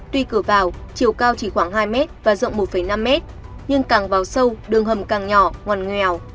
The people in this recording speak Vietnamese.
tuy cửa vào chiều cao chỉ khoảng hai m và rộng một năm mét nhưng càng vào sâu đường hầm càng nhỏ ngoàn nghèo